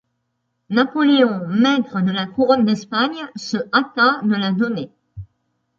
Napoléon, maître de la couronne d'Espagne, se hâta de la donner.